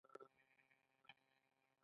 د کندهار چل زینو ویالې اوبه لېږدوي